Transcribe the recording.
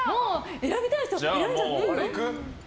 選びたい人選んじゃっていいよ！